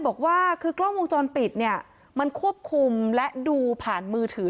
บอกว่าคือกล้องวงจรปิดเนี่ยมันควบคุมและดูผ่านมือถือ